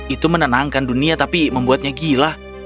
itu menenangkan dunia tapi membuatnya gila